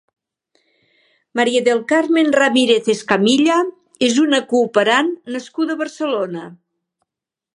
María del Carmen Ramírez Escamilla és una cooperant nascuda a Barcelona.